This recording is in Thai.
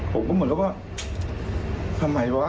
ผมก็เหมือนกับว่าทำไมวะ